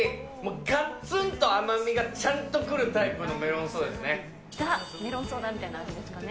がつんと甘みがちゃんと来るタイプのメロンソーダですね。